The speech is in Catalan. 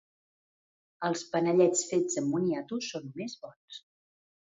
Els panellets fets amb moniato són més bons.